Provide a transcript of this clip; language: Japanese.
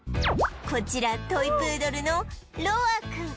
こちらトイ・プードルのロアくん